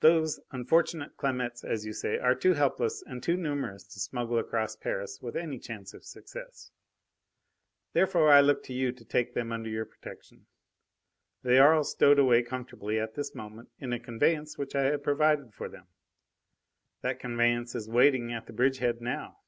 "Those unfortunate Clamettes, as you say, are too helpless and too numerous to smuggle across Paris with any chance of success. Therefore I look to you to take them under your protection. They are all stowed away comfortably at this moment in a conveyance which I have provided for them. That conveyance is waiting at the bridgehead now.